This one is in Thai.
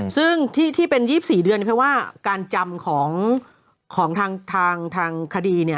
ซึ่งที่เป็น๒๔เดือนเพราะว่าการจำของทางคดี